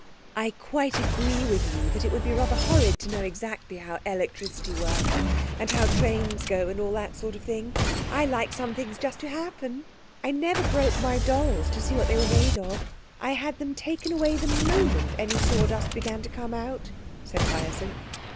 'I quite agree with you that it would be rather horrid to know exactly how electricity works, and how trains go, and all that sort of thing. I like some things just to happen. I never broke my dolls to see what they were made of. I had them taken away the moment any sawdust began to come out,' said Hyacinth.